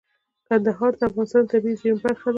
کندهار د افغانستان د طبیعي زیرمو برخه ده.